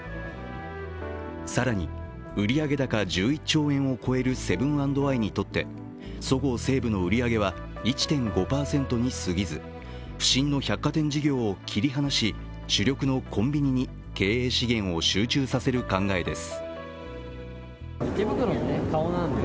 更に売上高１１兆円を超えるセブン＆アイにとってそごう・西武の売り上げは１．５％に過ぎず、不振の百貨店事業を切り離し主力のコンビニに経営資源を集中させる考えです。